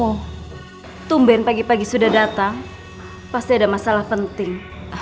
kalau tumben pagi pagi sudah datang pasti ada masalah penting